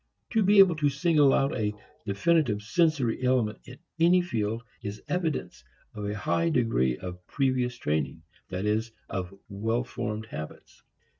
To be able to single out a definitive sensory element in any field is evidence of a high degree of previous training, that is, of well formed habits.